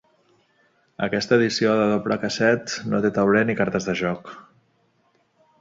Aquesta edició de doble casset no té tauler ni cartes de joc.